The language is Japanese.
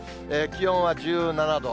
気温は１７度。